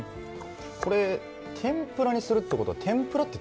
天ぷらにするってことは天ぷらって